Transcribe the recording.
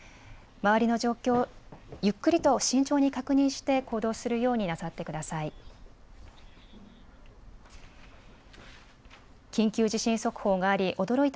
周りの状況、ゆっくりと慎重に確認して行動するようになさってください。